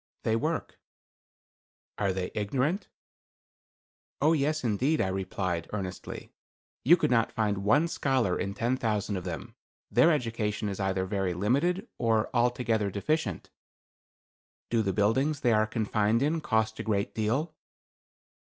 "They work." "Are they ignorant?" "Oh, yes, indeed;" I replied, earnestly. "You could not find one scholar in ten thousand of them. Their education is either very limited, or altogether deficient." "Do the buildings they are confined in cost a great deal?"